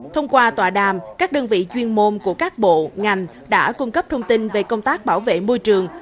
thông qua tọa đàm các đơn vị chuyên môn của các bộ ngành đã cung cấp thông tin về công tác bảo vệ môi trường